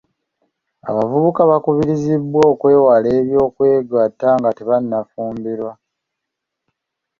Abavubuka bakubirizibwa okwewala eby'okwegatta nga tebannafumbirwa.